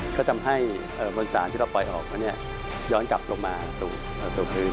ก็ทำให้บนสารที่เราปล่อยออกมาย้อนกลับลงมาสู่พื้น